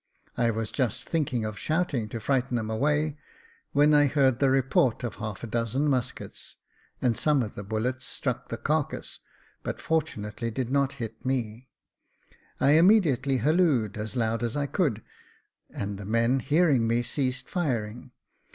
I was just thinking of shouting to frighten them away, when I heard the report of half a dozen muskets, and some of the bullets struck the carcase, but fortunately did not hit me. I immediately hallooed as loud as I could, and the men, hearing me, ceased firing.